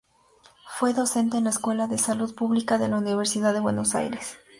Fue docente en la Escuela de Salud Pública de la Universidad de Buenos Aires.